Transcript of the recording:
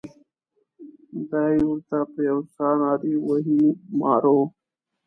دای ورته په یوه ساه نارې وهي مارو.